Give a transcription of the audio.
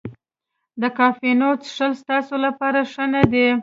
د کافینو څښل ستاسو لپاره ښه نه دي.